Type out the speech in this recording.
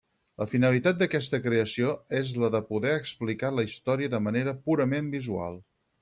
La finalitat d’aquesta creació és la de poder explicar la història de manera purament visual.